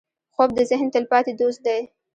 خوب د ذهن تلپاتې دوست دی